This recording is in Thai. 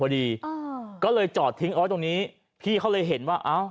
พอดีอ่าก็เลยจอดทิ้งเอาไว้ตรงนี้พี่เขาเลยเห็นว่าอ้าว